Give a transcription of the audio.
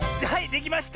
できました！